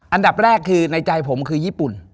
อันดับแรกคือในใจผมคือญี่ปุ่น